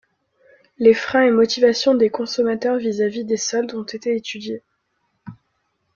Les freins et motivations des consommateurs vis-à-vis des soldes ont été étudiés.